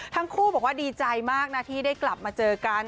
ทั้งคู่บอกว่าดีใจมากนะที่ได้กลับมาเจอกัน